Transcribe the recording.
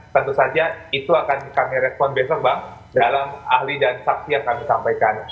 tentu saja itu akan kami respon besok bang dalam ahli dan saksi yang kami sampaikan